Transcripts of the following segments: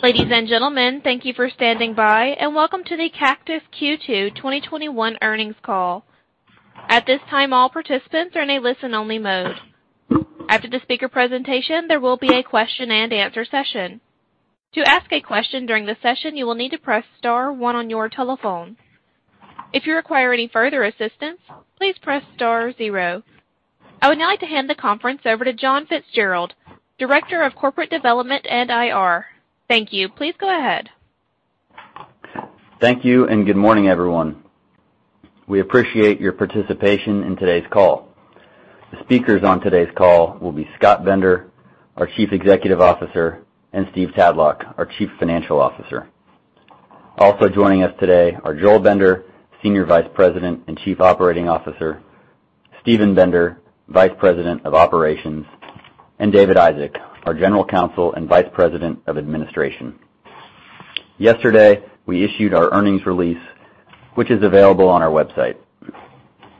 Ladies and gentlemen, thank you for standing by, and welcome to the Cactus Q2 2021 Earnings Call. At this time, all participants are in a listen-only mode. After the speaker presentation, there will be a question and answer session. To ask a question during the session, you will need to press star one on your telephone. If you require any further assistance, please press star zero. I would now like to hand the conference over to John Fitzgerald, Director of Corporate Development and IR. Thank you. Please go ahead. Thank you. Good morning, everyone. We appreciate your participation in today's call. The speakers on today's call will be Scott Bender, our Chief Executive Officer, and Steve Tadlock, our Chief Financial Officer. Also joining us today are Joel Bender, Senior Vice President and Chief Operating Officer, Steven Bender, Vice President of Operations, and David Isaac, our General Counsel and Vice President of Administration. Yesterday, we issued our earnings release, which is available on our website.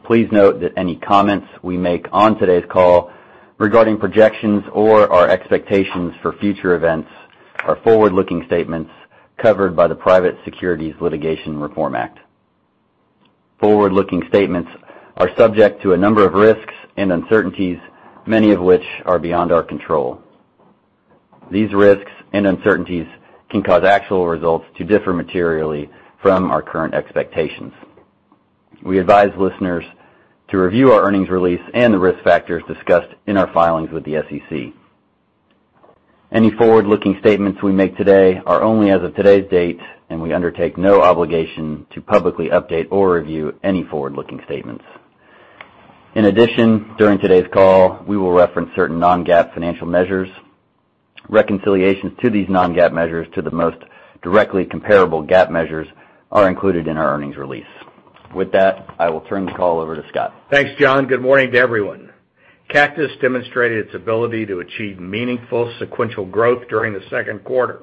Please note that any comments we make on today's call regarding projections or our expectations for future events are forward-looking statements covered by the Private Securities Litigation Reform Act. Forward-looking statements are subject to a number of risks and uncertainties, many of which are beyond our control. These risks and uncertainties can cause actual results to differ materially from our current expectations. We advise listeners to review our earnings release and the risk factors discussed in our filings with the SEC. Any forward-looking statements we make today are only as of today's date, and we undertake no obligation to publicly update or review any forward-looking statements. In addition, during today's call, we will reference certain non-GAAP financial measures. Reconciliations to these non-GAAP measures to the most directly comparable GAAP measures are included in our earnings release. With that, I will turn the call over to Scott. Thanks, John. Good morning to everyone. Cactus demonstrated its ability to achieve meaningful sequential growth during the second quarter.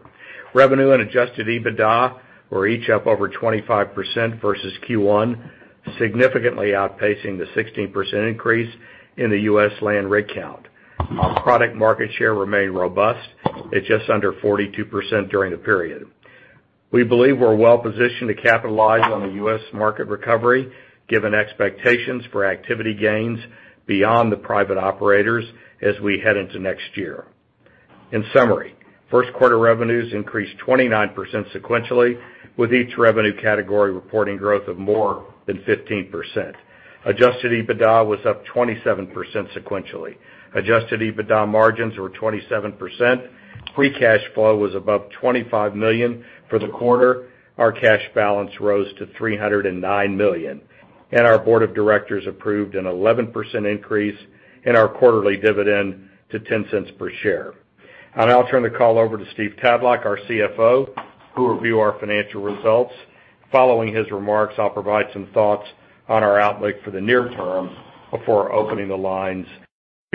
Revenue and adjusted EBITDA were each up over 25% versus Q1, significantly outpacing the 16% increase in the U.S. land rig count. Our product market share remained robust at just under 42% during the period. We believe we're well positioned to capitalize on the U.S. market recovery, given expectations for activity gains beyond the private operators as we head into next year. In summary, first quarter revenues increased 29% sequentially, with each revenue category reporting growth of more than 15%. Adjusted EBITDA was up 27% sequentially. Adjusted EBITDA margins were 27%. Free cash flow was above $25 million for the quarter. Our cash balance rose to $309 million, and our board of directors approved an 11% increase in our quarterly dividend to $0.10 per share. I'll now turn the call over to Steve Tadlock, our CFO, who will review our financial results. Following his remarks, I'll provide some thoughts on our outlook for the near term before opening the lines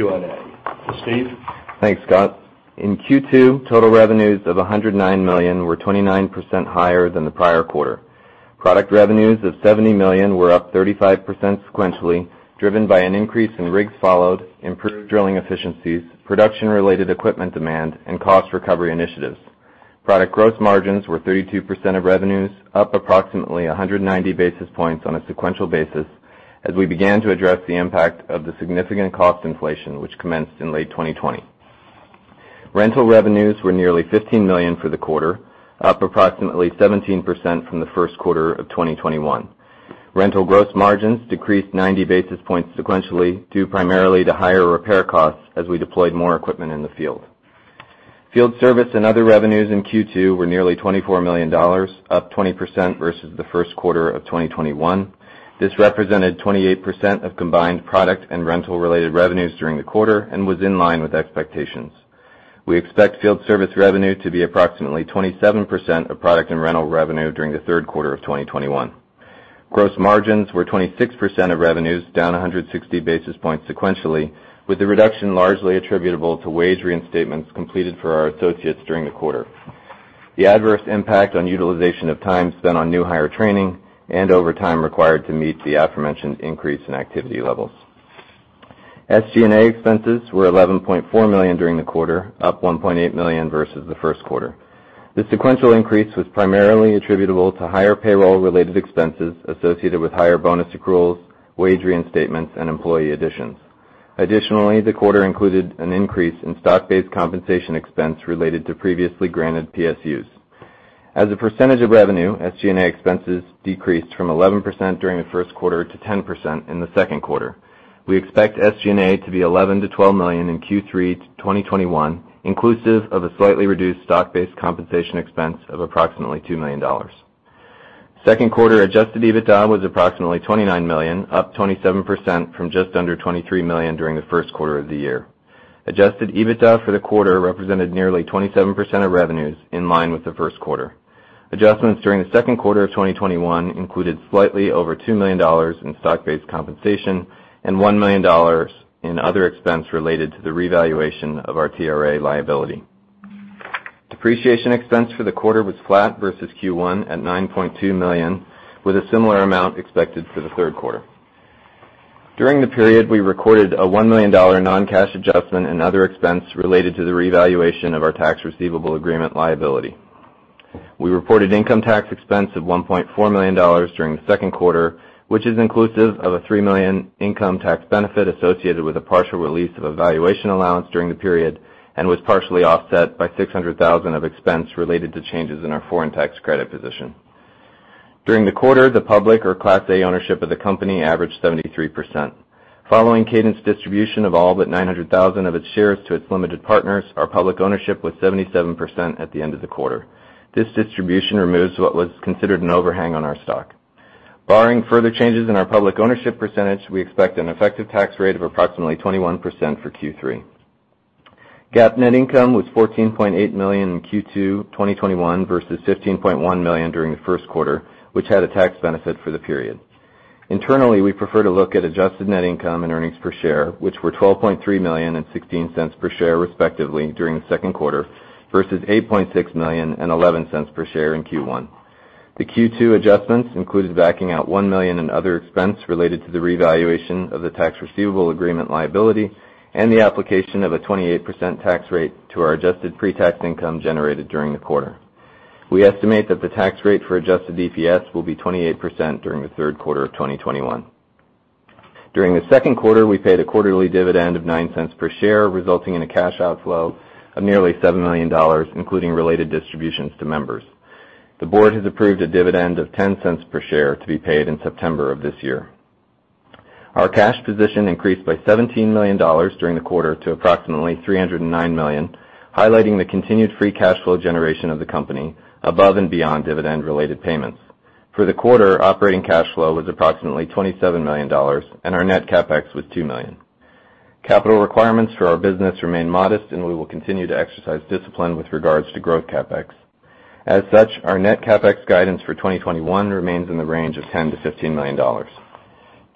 for Q&A. Steve? Thanks, Scott. In Q2, total revenues of $109 million were 29% higher than the prior quarter. Product revenues of $70 million were up 35% sequentially, driven by an increase in rigs followed, improved drilling efficiencies, production-related equipment demand, and cost recovery initiatives. Product gross margins were 32% of revenues, up approximately 190 basis points on a sequential basis as we began to address the impact of the significant cost inflation which commenced in late 2020. Rental revenues were nearly $15 million for the quarter, up approximately 17% from the first quarter of 2021. Rental gross margins decreased 90 basis points sequentially, due primarily to higher repair costs as we deployed more equipment in the field. Field service and other revenues in Q2 were nearly $24 million, up 20% versus the first quarter of 2021. This represented 28% of combined product and rental-related revenues during the quarter and was in line with expectations. We expect field service revenue to be approximately 27% of product and rental revenue during the third quarter of 2021. Gross margins were 26% of revenues, down 160 basis points sequentially, with the reduction largely attributable to wage reinstatements completed for our associates during the quarter, the adverse impact on utilization of time spent on new hire training and overtime required to meet the aforementioned increase in activity levels. SG&A expenses were $11.4 million during the quarter, up $1.8 million versus the first quarter. The sequential increase was primarily attributable to higher payroll-related expenses associated with higher bonus accruals, wage reinstatements, and employee additions. The quarter included an increase in stock-based compensation expense related to previously granted PSUs. As a percentage of revenue, SG&A expenses decreased from 11% during the first quarter to 10% in the second quarter. We expect SG&A to be $11 million-$12 million in Q3 2021, inclusive of a slightly reduced stock-based compensation expense of approximately $2 million. Second quarter adjusted EBITDA was approximately $29 million, up 27% from just under $23 million during the first quarter of the year. Adjusted EBITDA for the quarter represented nearly 27% of revenues, in line with the first quarter. Adjustments during the second quarter of 2021 included slightly over $2 million in stock-based compensation and $1 million in other expense related to the revaluation of our TRA liability. Depreciation expense for the quarter was flat versus Q1 at $9.2 million, with a similar amount expected for the third quarter. During the period, we recorded a $1 million non-cash adjustment and other expense related to the revaluation of our tax receivable agreement liability. We reported income tax expense of $1.4 million during the second quarter, which is inclusive of a $3 million income tax benefit associated with a partial release of a valuation allowance during the period and was partially offset by $600,000 of expense related to changes in our foreign tax credit position. During the quarter, the public, or Class A ownership of the company averaged 73%. Following Cadent's distribution of all but 900,000 of its shares to its limited partners, our public ownership was 77% at the end of the quarter. This distribution removes what was considered an overhang on our stock. Barring further changes in our public ownership percentage, we expect an effective tax rate of approximately 21% for Q3. GAAP net income was $14.8 million in Q2 2021 versus $15.1 million during the first quarter, which had a tax benefit for the period. Internally, we prefer to look at adjusted net income and earnings per share, which were $12.3 million and $0.16 per share, respectively, during the second quarter versus $8.6 million and $0.11 per share in Q1. The Q2 adjustments included backing out $1 million in other expense related to the revaluation of the tax receivable agreement liability and the application of a 28% tax rate to our adjusted pre-tax income generated during the quarter. We estimate that the tax rate for adjusted EPS will be 28% during the third quarter of 2021. During the second quarter, we paid a quarterly dividend of $0.09 per share, resulting in a cash outflow of nearly $7 million, including related distributions to members. The board has approved a dividend of $0.10 per share to be paid in September of this year. Our cash position increased by $17 million during the quarter to approximately $309 million, highlighting the continued free cash flow generation of the company above and beyond dividend-related payments. For the quarter, operating cash flow was approximately $27 million, and our net CapEx was $2 million. Capital requirements for our business remain modest, we will continue to exercise discipline with regards to growth CapEx. As such, our net CapEx guidance for 2021 remains in the range of $10 million-$15 million.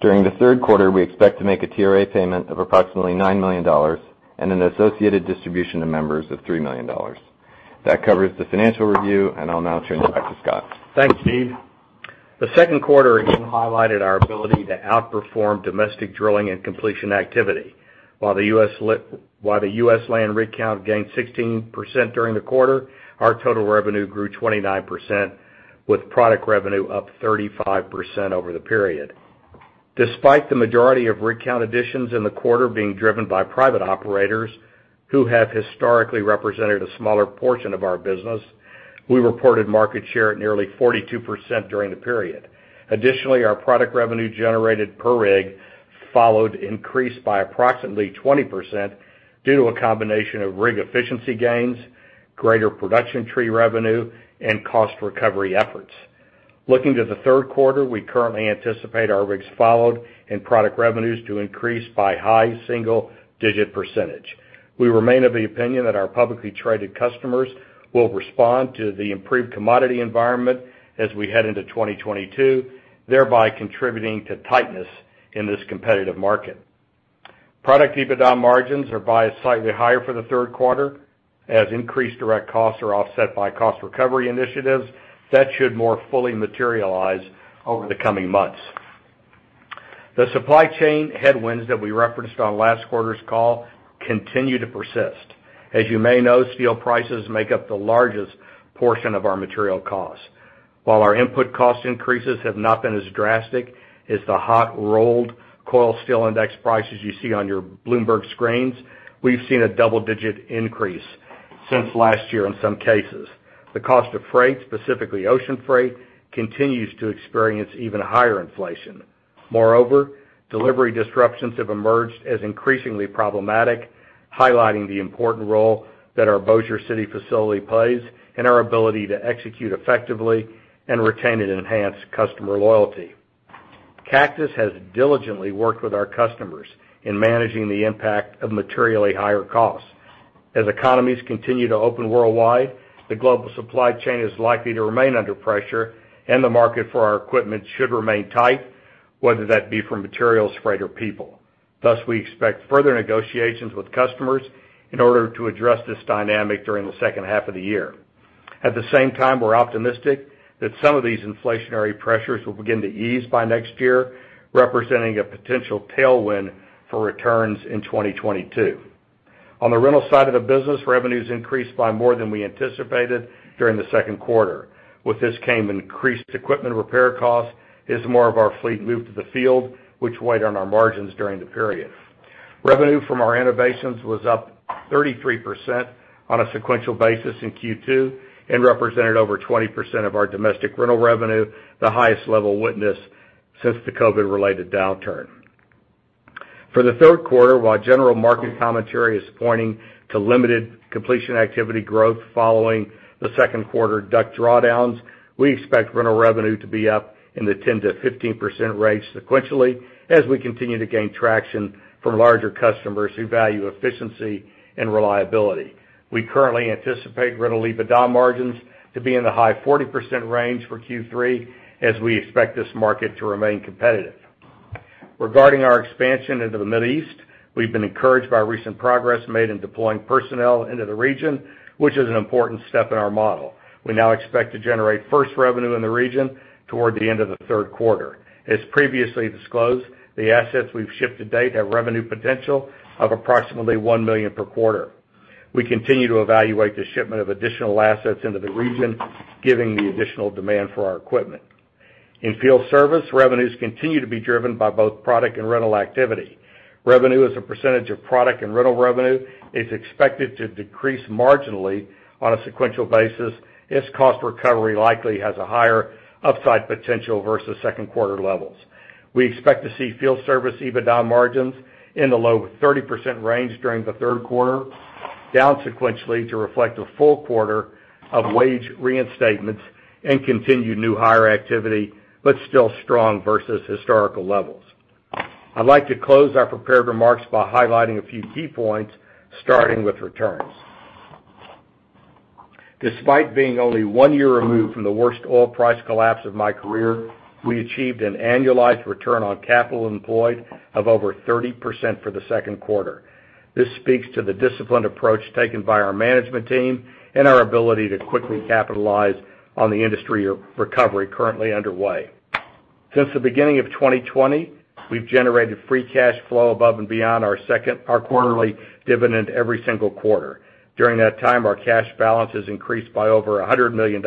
During the third quarter, we expect to make a TRA payment of approximately $9 million and an associated distribution to members of $3 million. That covers the financial review, I'll now turn it back to Scott. Thanks, Steve. The second quarter again highlighted our ability to outperform domestic drilling and completion activity. While the U.S. land rig count gained 16% during the quarter, our total revenue grew 29%, with product revenue up 35% over the period. Despite the majority of rig count additions in the quarter being driven by private operators who have historically represented a smaller portion of our business, we reported market share at nearly 42% during the period. Additionally, our product revenue generated per rig followed increase by approximately 20% due to a combination of rig efficiency gains, greater production tree revenue, and cost recovery efforts. Looking to the third quarter, we currently anticipate our rigs followed and product revenues to increase by high single-digit percentage. We remain of the opinion that our publicly traded customers will respond to the improved commodity environment as we head into 2022, thereby contributing to tightness in this competitive market. Product EBITDA margins are biased slightly higher for the third quarter as increased direct costs are offset by cost recovery initiatives that should more fully materialize over the coming months. The supply chain headwinds that we referenced on last quarter's call continue to persist. You may know, steel prices make up the largest portion of our material costs. While our input cost increases have not been as drastic as the hot rolled coil steel index prices you see on your Bloomberg screens, we've seen a double-digit increase since last year in some cases. The cost of freight, specifically ocean freight, continues to experience even higher inflation. Delivery disruptions have emerged as increasingly problematic, highlighting the important role that our Bossier City facility plays and our ability to execute effectively and retain and enhance customer loyalty. Cactus has diligently worked with our customers in managing the impact of materially higher costs. As economies continue to open worldwide, the global supply chain is likely to remain under pressure, and the market for our equipment should remain tight, whether that be for materials, freight, or people. We expect further negotiations with customers in order to address this dynamic during the second half of the year. At the same time, we're optimistic that some of these inflationary pressures will begin to ease by next year, representing a potential tailwind for returns in 2022. On the rental side of the business, revenues increased by more than we anticipated during the second quarter. With this came increased equipment repair costs as more of our fleet moved to the field, which weighed on our margins during the period. Revenue from our innovations was up 33% on a sequential basis in Q2 and represented over 20% of our domestic rental revenue, the highest level witnessed since the COVID-related downturn. For the third quarter, while general market commentary is pointing to limited completion activity growth following the second quarter DUC drawdowns, we expect rental revenue to be up in the 10%-15% range sequentially as we continue to gain traction from larger customers who value efficiency and reliability. We currently anticipate rental EBITDA margins to be in the high 40% range for Q3 as we expect this market to remain competitive. Regarding our expansion into the Middle East, we've been encouraged by recent progress made in deploying personnel into the region, which is an important step in our model. We now expect to generate first revenue in the region toward the end of the third quarter. As previously disclosed, the assets we've shipped to date have revenue potential of approximately $1 million per quarter. We continue to evaluate the shipment of additional assets into the region, given the additional demand for our equipment. In field service, revenues continue to be driven by both product and rental activity. Revenue as a percentage of product and rental revenue is expected to decrease marginally on a sequential basis as cost recovery likely has a higher upside potential versus second quarter levels. We expect to see field service EBITDA margins in the low 30% range during the third quarter, down sequentially to reflect a full quarter of wage reinstatements and continued new hire activity, but still strong versus historical levels. I'd like to close our prepared remarks by highlighting a few key points, starting with returns. Despite being only one year removed from the worst oil price collapse of my career, we achieved an annualized return on capital employed of over 30% for the second quarter. This speaks to the disciplined approach taken by our management team and our ability to quickly capitalize on the industry recovery currently underway. Since the beginning of 2020, we've generated free cash flow above and beyond our quarterly dividend every single quarter. During that time, our cash balance has increased by over $100 million,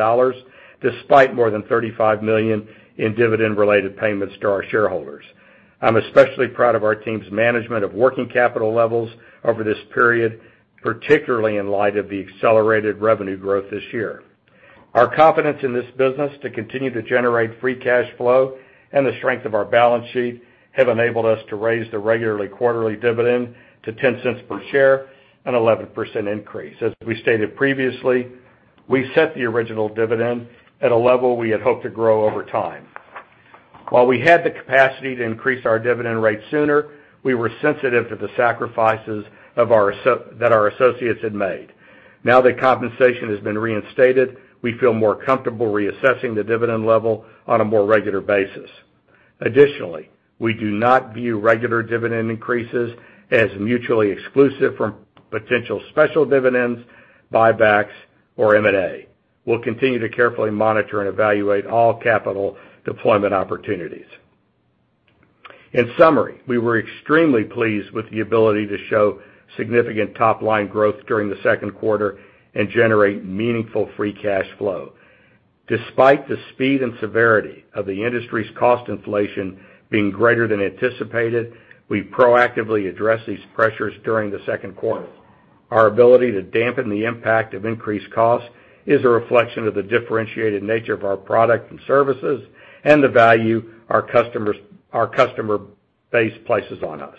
despite more than $35 million in dividend-related payments to our shareholders. I'm especially proud of our team's management of working capital levels over this period, particularly in light of the accelerated revenue growth this year. Our confidence in this business to continue to generate free cash flow and the strength of our balance sheet have enabled us to raise the regular quarterly dividend to $0.10 per share, an 11% increase. As we stated previously, we set the original dividend at a level we had hoped to grow over time. While we had the capacity to increase our dividend rate sooner, we were sensitive to the sacrifices that our associates had made. Now that compensation has been reinstated, we feel more comfortable reassessing the dividend level on a more regular basis. Additionally, we do not view regular dividend increases as mutually exclusive from potential special dividends, buybacks or M&A. We'll continue to carefully monitor and evaluate all capital deployment opportunities. In summary, we were extremely pleased with the ability to show significant top-line growth during the second quarter and generate meaningful free cash flow. Despite the speed and severity of the industry's cost inflation being greater than anticipated, we proactively addressed these pressures during the second quarter. Our ability to dampen the impact of increased costs is a reflection of the differentiated nature of our product and services and the value our customer base places on us.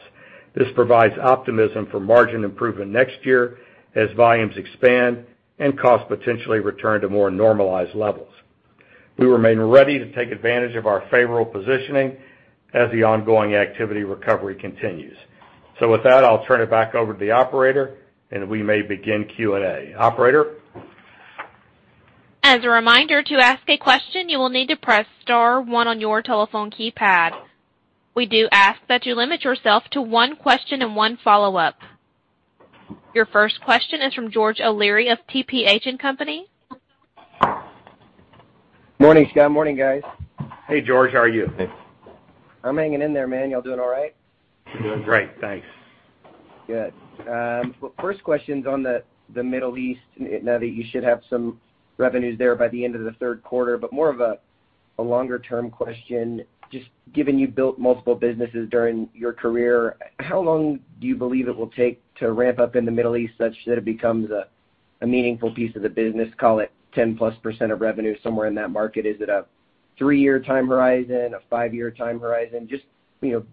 This provides optimism for margin improvement next year as volumes expand and costs potentially return to more normalized levels. We remain ready to take advantage of our favorable positioning as the ongoing activity recovery continues. With that, I'll turn it back over to the operator, and we may begin Q&A. Operator? As a reminder, to ask a question, you will need to press star one on your telephone keypad. We do ask that you limit yourself to one question and one follow-up. Your first question is from George O'Leary of TPH & Co.. Morning, Scott. Morning, guys. Hey, George. How are you? I'm hanging in there, man. You all doing all right? Doing great, thanks. Good. First question's on the Middle East. Now that you should have some revenues there by the end of the third quarter, more of a longer-term question. Just given you built multiple businesses during your career, how long do you believe it will take to ramp up in the Middle East such that it becomes a meaningful piece of the business, call it 10%+ of revenue, somewhere in that market? Is it a three-year time horizon, a five-year time horizon? Just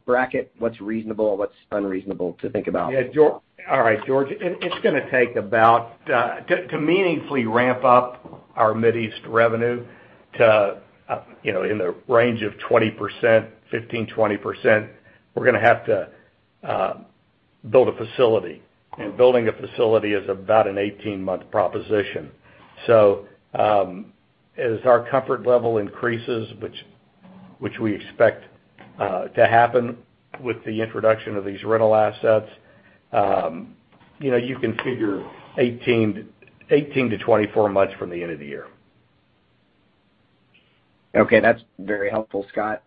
bracket what's reasonable and what's unreasonable to think about. All right, George. To meaningfully ramp up our Mid East revenue in the range of 15%-20%, we're going to have to build a facility. Building a facility is about an 18-month proposition. As our comfort level increases, which we expect to happen with the introduction of these rental assets, you can figure 18-24 months from the end of the year. Okay. That's very helpful, Scott.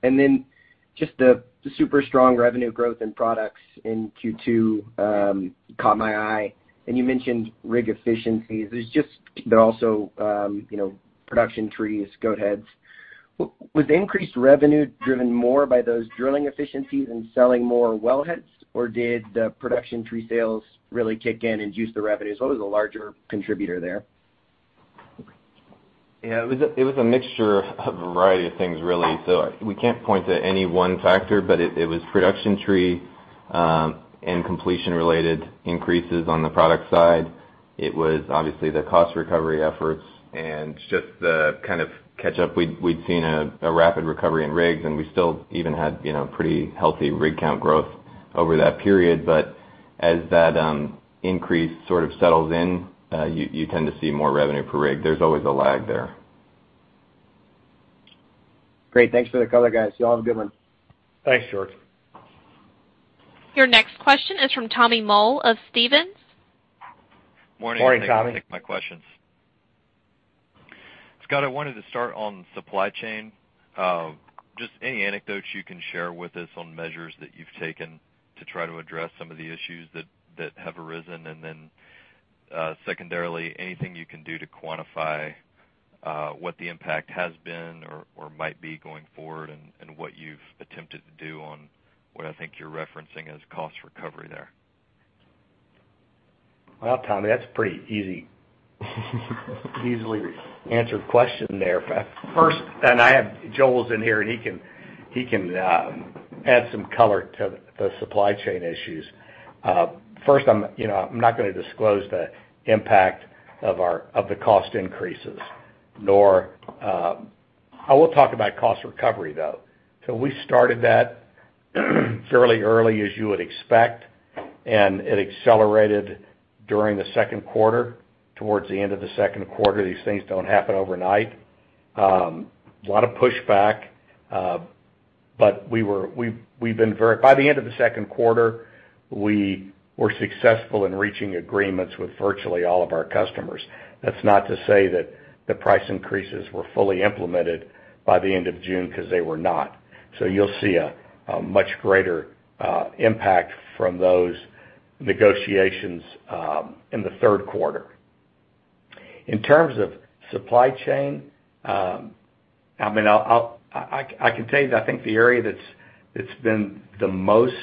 Just the super strong revenue growth in products in Q2 caught my eye. You mentioned rig efficiencies. Also production trees, goat heads. Was increased revenue driven more by those drilling efficiencies and selling more wellheads, or did the production tree sales really kick in and juice the revenue? What was the larger contributor there? It was a mixture of a variety of things really. We can't point to any one factor, but it was production tree and completion related increases on the product side. It was obviously the cost recovery efforts and just the kind of catch up. We'd seen a rapid recovery in rigs and we still even had pretty healthy rig count growth over that period. As that increase sort of settles in, you tend to see more revenue per rig. There's always a lag there. Great. Thanks for the color, guys. You all have a good one. Thanks, George. Your next question is from Tommy Moll of Stephens. Morning, Tommy. Morning. Thanks for taking my questions. Scott, I wanted to start on supply chain. Just any anecdotes you can share with us on measures that you've taken to try to address some of the issues that have arisen. Secondarily, anything you can do to quantify what the impact has been or might be going forward, and what you've attempted to do on what I think you're referencing as cost recovery there. Well, Tommy, that's a pretty easy answered question there. First, and I have Joel's in here, and he can add some color to the supply chain issues. First, I'm not going to disclose the impact of the cost increases, nor, I will talk about cost recovery, though. We started that fairly early, as you would expect, and it accelerated during the second quarter, towards the end of the second quarter. These things don't happen overnight. Lot of pushback. By the end of the second quarter, we were successful in reaching agreements with virtually all of our customers. That's not to say that the price increases were fully implemented by the end of June, because they were not. You'll see a much greater impact from those negotiations in the third quarter. In terms of supply chain, I can tell you that I think the area that's been the most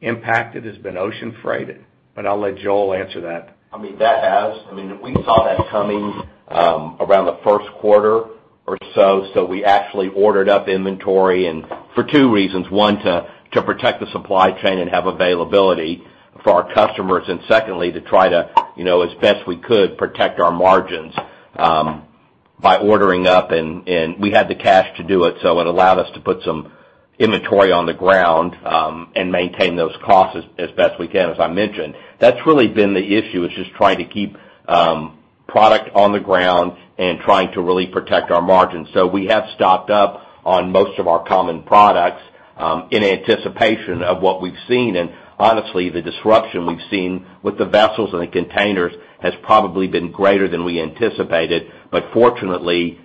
impacted has been ocean freight, but I'll let Joel answer that. That has. We saw that coming around the first quarter or so. We actually ordered up inventory. For two reasons, one, to protect the supply chain and have availability for our customers, and secondly, to try to, as best we could, protect our margins by ordering up, and we had the cash to do it allowed us to put some inventory on the ground and maintain those costs as best we can, as I mentioned. That's really been the issue, is just trying to keep product on the ground and trying to really protect our margins. We have stocked up on most of our common products in anticipation of what we've seen. Honestly, the disruption we've seen with the vessels and the containers has probably been greater than we anticipated. Fortunately,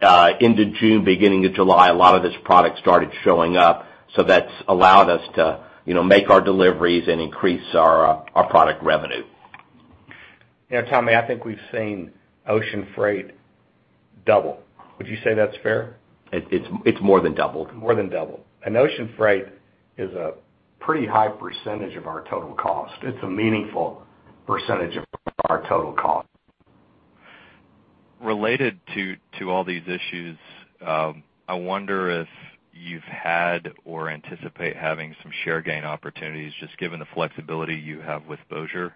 end of June, beginning of July, a lot of this product started showing up. That's allowed us to make our deliveries and increase our product revenue. Tommy, I think we've seen ocean freight double. Would you say that's fair? It's more than doubled. More than doubled. Ocean freight is a pretty high percentage of our total cost. It's a meaningful percentage of our total cost. Related to all these issues, I wonder if you've had or anticipate having some share gain opportunities, just given the flexibility you have with Bossier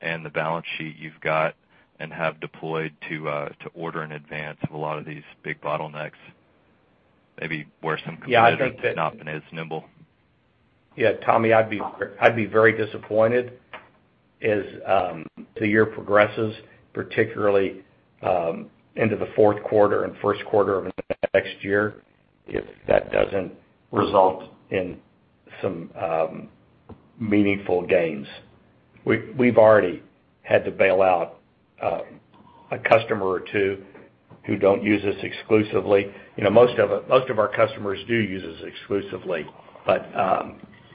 and the balance sheet you've got and have deployed to order in advance of a lot of these big bottlenecks, maybe where some competitors have not been as nimble. Yeah, Tommy, I'd be very disappointed as the year progresses, particularly into the fourth quarter and first quarter of next year, if that doesn't result in some meaningful gains. We've already had to bail out a customer or two who don't use us exclusively. Most of our customers do use us exclusively.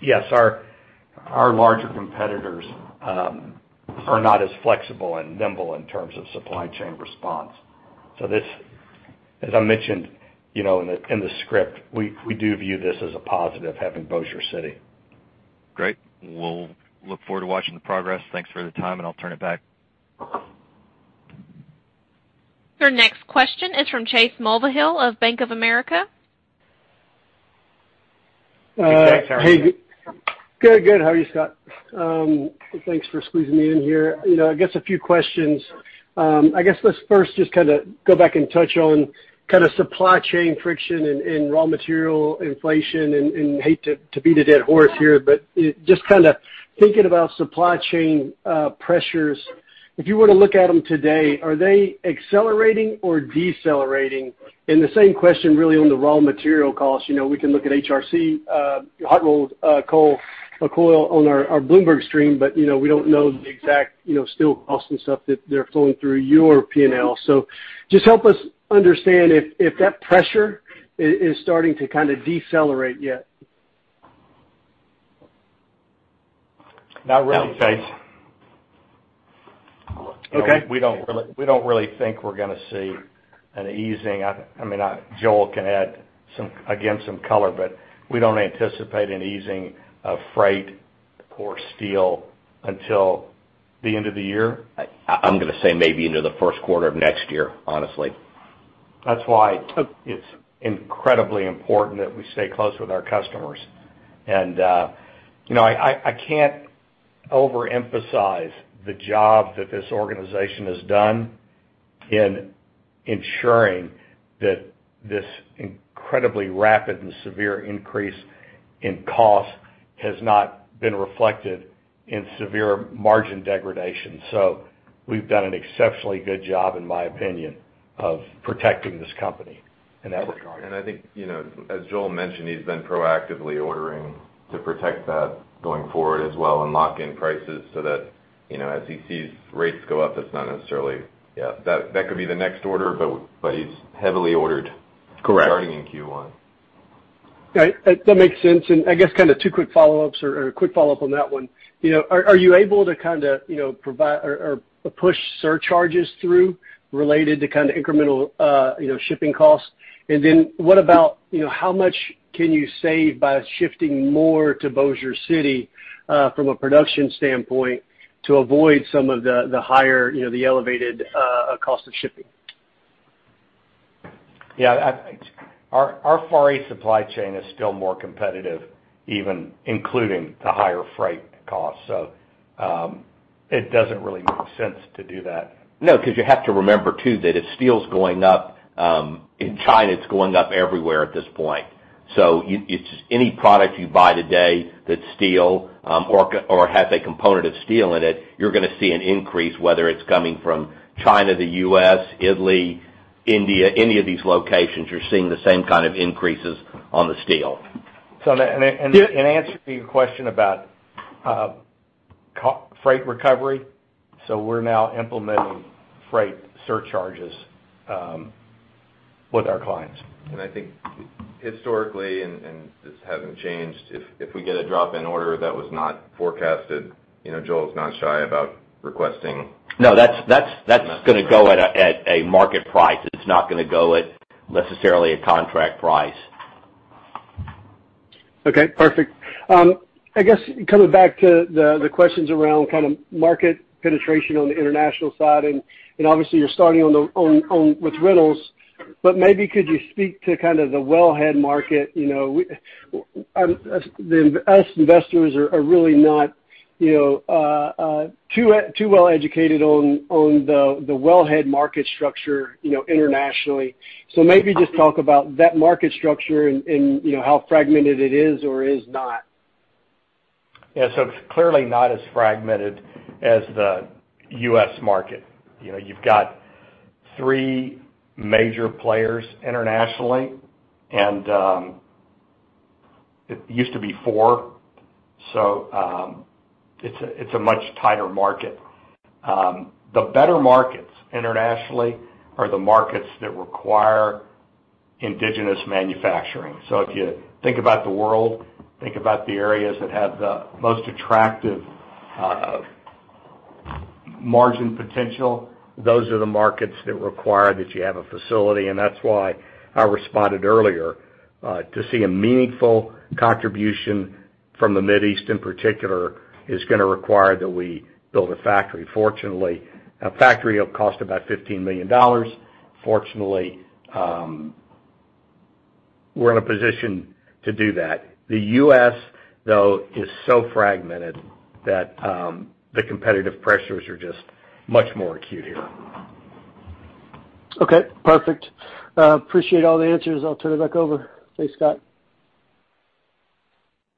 Yes, our larger competitors are not as flexible and nimble in terms of supply chain response. As I mentioned in the script, we do view this as a positive, having Bossier City. Great. We'll look forward to watching the progress. Thanks for the time. I'll turn it back. Your next question is from Chase Mulvehill of Bank of America. Hey, Chase. Hey. Good. How are you, Scott? Thanks for squeezing me in here. I guess a few questions. I guess let's first just kind of go back and touch on kind of supply chain friction and raw material inflation. Hate to beat a dead horse here, but just kind of thinking about supply chain pressures. If you were to look at them today, are they accelerating or decelerating? The same question really on the raw material cost. We can look at HRC, hot rolled coil on our Bloomberg screen, but we don't know the exact steel cost and stuff that they're flowing through your P&L. Just help us understand if that pressure is starting to kind of decelerate yet. Not really. No, Chase. Okay. We don't really think we're going to see an easing. Joel can add, again, some color, but we don't anticipate an easing of freight or steel until the end of the year. I'm going to say maybe into the first quarter of next year, honestly. That's why it's incredibly important that we stay close with our customers. I can't overemphasize the job that this organization has done in ensuring that this incredibly rapid and severe increase in cost has not been reflected in severe margin degradation. We've done an exceptionally good job, in my opinion, of protecting this company. I think, as Joel mentioned, he's been proactively ordering to protect that going forward as well and lock in prices so that, as he sees rates go up, that's not necessarily Yeah. That could be the next order, but he's heavily ordered- Correct.... starting in Q1. Right. That makes sense. I guess two quick follow-ups or a quick follow-up on that one. Are you able to provide or push surcharges through related to incremental shipping costs? What about, how much can you save by shifting more to Bossier City, from a production standpoint, to avoid some of the higher, the elevated cost of shipping? Yeah. Our Far East supply chain is still more competitive even including the higher freight costs. It doesn't really make sense to do that. No, because you have to remember, too, that if steel's going up in China, it's going up everywhere at this point. Any product you buy today that's steel, or has a component of steel in it, you're going to see an increase, whether it's coming from China, the U.S., Italy, India, any of these locations. You're seeing the same kind of increases on the steel. To answer your question about freight recovery, we're now implementing freight surcharges with our clients. I think historically, and this hasn't changed, if we get a drop-in order that was not forecasted, Joel's not shy about requesting. No, that's going to go at a market price. It's not going to go at necessarily a contract price. Okay, perfect. I guess coming back to the questions around market penetration on the international side, obviously you're starting with rentals, but maybe could you speak to the wellhead market? Us investors are really not too well-educated on the wellhead market structure internationally. Maybe just talk about that market structure and how fragmented it is or is not. It's clearly not as fragmented as the U.S. market. You've got three major players internationally, and it used to be four. It's a much tighter market. The better markets internationally are the markets that require indigenous manufacturing. If you think about the world, think about the areas that have the most attractive margin potential. Those are the markets that require that you have a facility. That's why I responded earlier. To see a meaningful contribution from the Mid East in particular is going to require that we build a factory. Fortunately, a factory will cost about $15 million. Fortunately, we're in a position to do that. The U.S., though, is so fragmented that the competitive pressures are just much more acute here. Okay, perfect. Appreciate all the answers. I'll turn it back over. Thanks, Scott.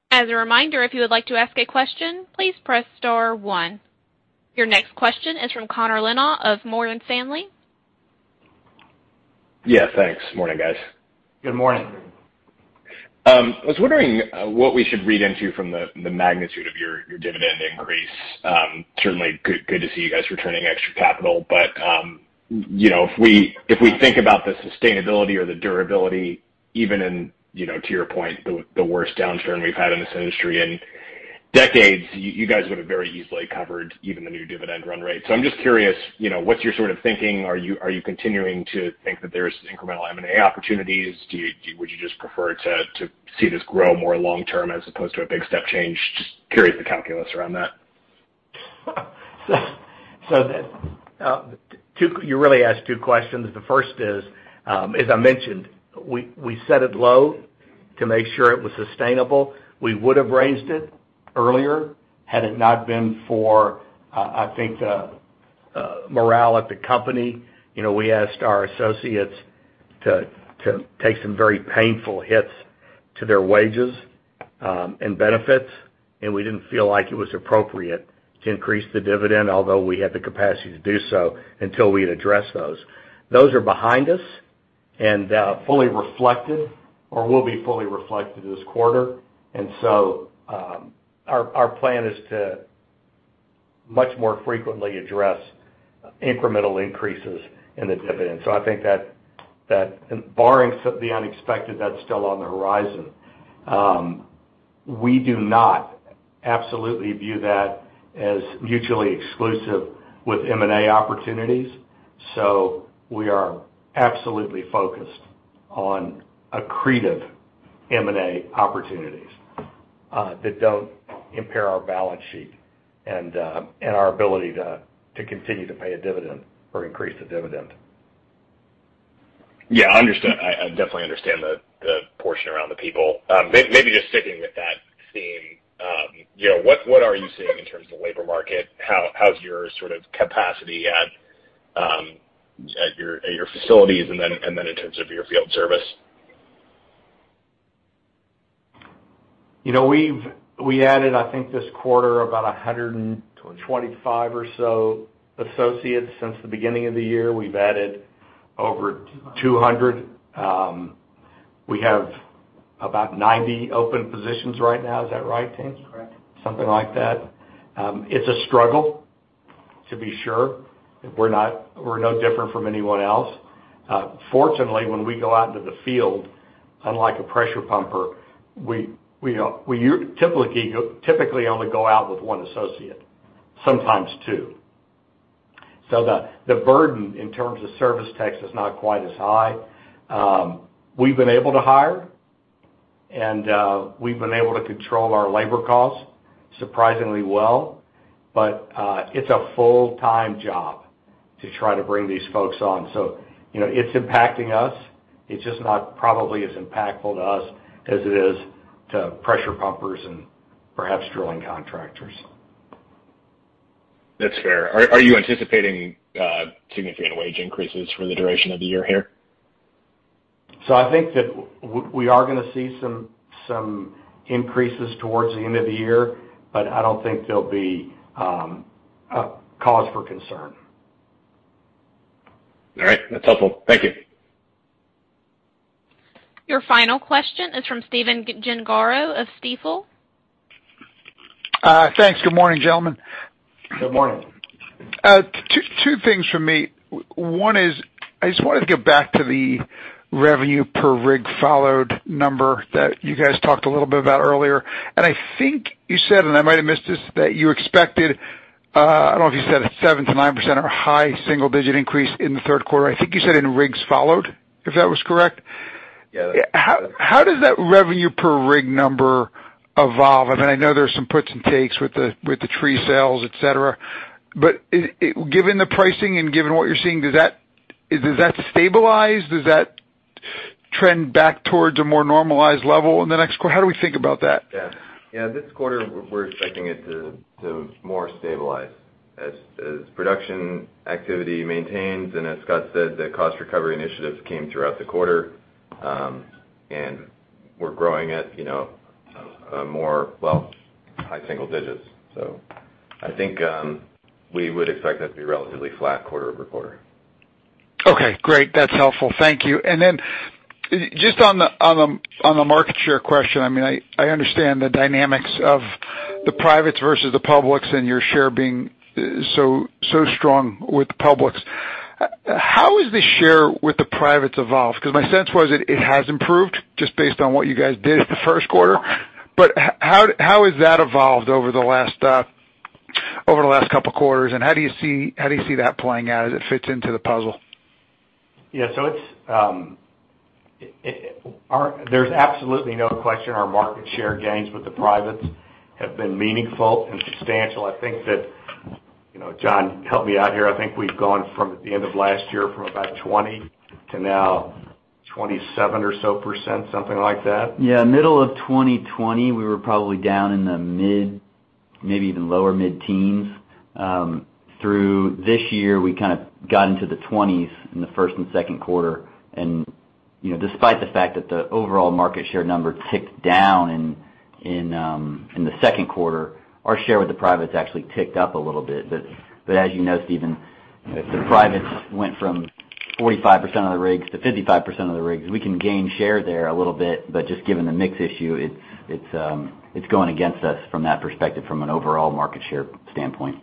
As a reminder, if you would like to ask a question, please press star 1. Your next question is from Connor Lynagh of Morgan Stanley. Yeah, thanks. Morning, guys. Good morning. I was wondering what we should read into from the magnitude of your dividend increase? Certainly good to see you guys returning extra capital, but if we think about the sustainability or the durability, even in, to your point, the worst downturn we've had in this industry in decades, you guys would've very easily covered even the new dividend run rate. I'm just curious, what's your sort of thinking? Are you continuing to think that there's incremental M&A opportunities? Would you just prefer to see this grow more long term as opposed to a big step change? Just curious the calculus around that. You really asked two questions. The first is, as I mentioned, we set it low to make sure it was sustainable. We would've raised it earlier had it not been for, I think, the morale at the company. We asked our associates to take some very painful hits to their wages and benefits, we didn't feel like it was appropriate to increase the dividend, although we had the capacity to do so until we had addressed those. Those are behind us and fully reflected or will be fully reflected this quarter. Our plan is to much more frequently address incremental increases in the dividend. I think that barring the unexpected, that's still on the horizon. We do not absolutely view that as mutually exclusive with M&A opportunities. We are absolutely focused on accretive M&A opportunities that don't impair our balance sheet and our ability to continue to pay a dividend or increase the dividend. Yeah, understood. I definitely understand the portion around the people. Maybe just sticking with that theme. What are you seeing in terms of the labor market? How's your sort of capacity at your facilities, and then in terms of your field service? We've added, I think this quarter, about 125 or so associates. Since the beginning of the year, we've added over 200. We have about 90 open positions right now. Is that right, team? Correct. Something like that. It's a struggle, to be sure. We're no different from anyone else. Fortunately, when we go out into the field, unlike a pressure pumper, we typically only go out with one associate, sometimes two. The burden in terms of service techs is not quite as high. We've been able to hire, and we've been able to control our labor costs surprisingly well. It's a full-time job to try to bring these folks on. It's impacting us. It's just not probably as impactful to us as it is to pressure pumpers and perhaps drilling contractors. That's fair. Are you anticipating significant wage increases for the duration of the year here? I think that we are going to see some increases towards the end of the year, but I don't think they'll be a cause for concern. All right. That's helpful. Thank you. Your final question is from Stephen Gengaro of Stifel. Thanks. Good morning, gentlemen. Good morning. Two things from me. One is, I just wanted to go back to the revenue per rig followed number that you guys talked a little bit about earlier. I think you said, and I might have missed this, that you expected, I don't know if you said a 7%-9% or a high single-digit increase in the third quarter. I think you said in rigs followed, if that was correct. Yeah. How does that revenue per rig number evolve? I know there's some puts and takes with the tree sales, etc. Given the pricing and given what you're seeing, does that stabilize? Does that trend back towards a more normalized level in the next quarter? How do we think about that? Yeah. This quarter, we're expecting it to more stabilize as production activity maintains, and as Scott said, the cost recovery initiatives came throughout the quarter. We're growing at more, well, high single digits. I think we would expect that to be relatively flat quarter-over-quarter. Okay, great. That's helpful. Thank you. Then just on the market share question, I understand the dynamics of the privates versus the publics and your share being so strong with the publics. How has the share with the privates evolved? My sense was it has improved just based on what you guys did the first quarter. How has that evolved over the last couple quarters, and how do you see that playing out as it fits into the puzzle? Yeah. There's absolutely no question our market share gains with the privates have been meaningful and substantial. John, help me out here. I think we've gone from the end of last year from about 20% to now 27% or so, something like that. Yeah. Middle of 2020, we were probably down in the mid, maybe even lower mid-teens. Through this year, we kind of got into the 20s in Q1 and Q2. Despite the fact that the overall market share number ticked down in Q2, our share with the privates actually ticked up a little bit. As you know, Stephen, if the privates went from 45% of the rigs to 55% of the rigs, we can gain share there a little bit, but just given the mix issue, it's going against us from that perspective, from an overall market share standpoint.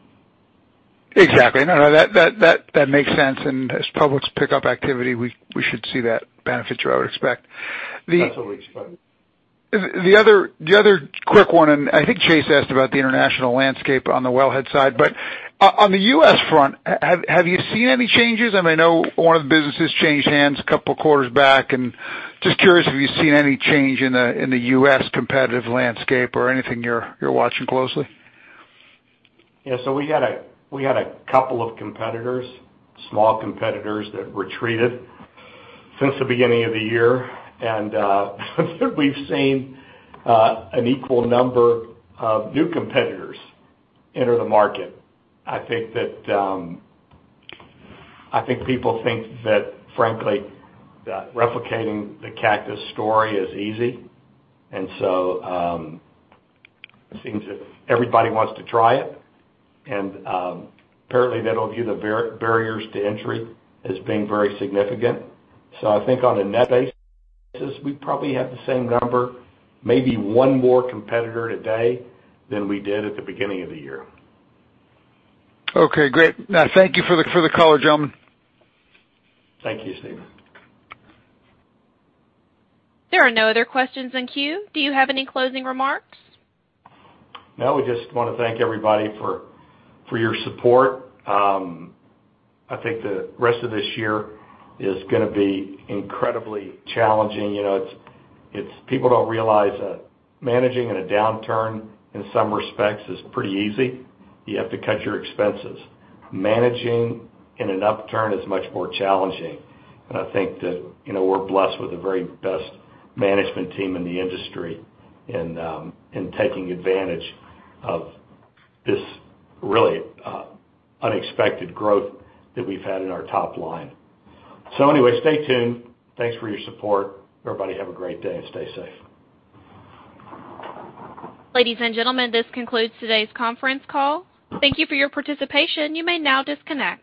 Exactly. No, that makes sense. As publics pick up activity, we should see that benefit, I would expect. That's what we expect. The other quick one, and I think Chase asked about the international landscape on the wellhead side, but on the U.S. front, have you seen any changes? I know one of the businesses changed hands a couple of quarters back, and just curious, have you seen any change in the U.S. competitive landscape or anything you're watching closely? Yeah. We had a couple competitors, small competitors that retreated since the beginning of the year, and we've seen an equal number of new competitors enter the market. I think people think that frankly, that replicating the Cactus story is easy. It seems that everybody wants to try it. Apparently, they don't view the barriers to entry as being very significant. I think on a net basis, we probably have the same number, maybe one more competitor today than we did at the beginning of the year. Okay, great. Thank you for the color, gentlemen. Thank you, Steen. There are no other questions in queue. Do you have any closing remarks? No. We just want to thank everybody for your support. I think the rest of this year is gonna be incredibly challenging. People don't realize that managing in a downturn, in some respects, is pretty easy. You have to cut your expenses. Managing in an upturn is much more challenging. I think that we're blessed with the very best management team in the industry in taking advantage of this really unexpected growth that we've had in our top line. Anyway, stay tuned. Thanks for your support. Everybody have a great day and stay safe. Ladies and gentlemen, this concludes today's conference call. Thank you for your participation. You may now disconnect.